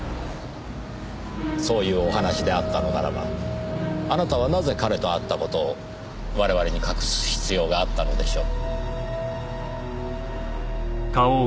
そういうお話であったのならばあなたはなぜ彼と会った事を我々に隠す必要があったのでしょう？